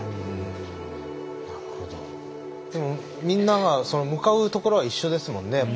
みんなが向かうところは一緒ですもんね。